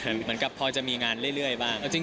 เหมือนกับพอจะมีงานเรื่อยบ้าง